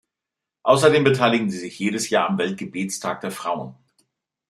Außerdem beteiligen sie sich jedes Jahr am Weltgebetstag der Frauen.